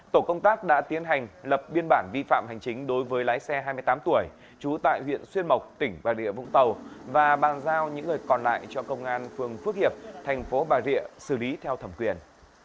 tổ công tác đã tiến hành lập biên bản vi phạm hành chính đối với lái xe hai mươi tám tuổi trú tại huyện xuyên mộc tỉnh bà rịa vũng tàu và bàn giao những người còn lại cho công an phường phước hiệp thành phố bà rịa xử lý theo thẩm quyền